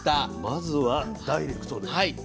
まずはダイレクトで。